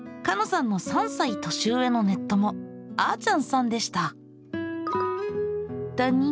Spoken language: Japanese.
さんの３歳年上のネッ友あーちゃんさんでした。